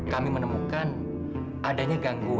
kami menemukan adanya gangguan